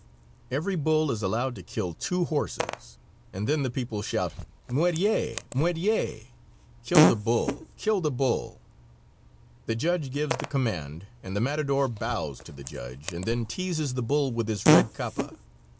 Every bull is allowed to kill two horses, and then the people shout "Muerie! muerie!" (Kill the bull.) The judge gives the command and the matador bows to the judge, and then teases the bull with his red _capa.